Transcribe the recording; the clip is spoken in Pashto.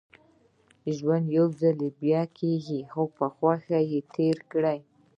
ژوند يوځل کېږي نو په خوښۍ يې تېر کړئ